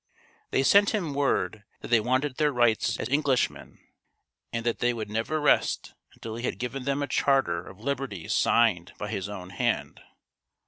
They sent him word that they wanted their rights as Englishmen, and that they would never rest until he had given them a charter of liberties signed by his own hand.